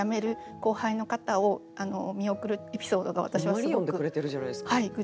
ほんまに読んでくれてるじゃないですか。